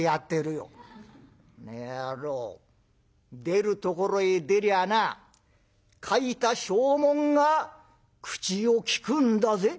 「コノヤロー出るところへ出りゃあな書いた証文が口を利くんだぜ」。